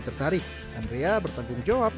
tertarik andrea bertanggung jawab